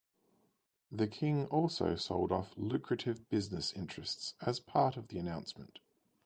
The King also sold off lucrative business interests as part of the announcement.